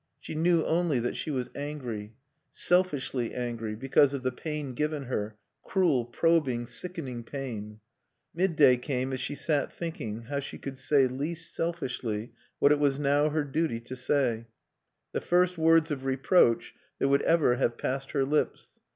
She knew only that she was angry selfishly angry, because of the pain given her, cruel, probing, sickening pain. Midday came as she sat thinking how she could say least selfishly what it was now her duty to say, the first words of reproach that would ever have passed her lips.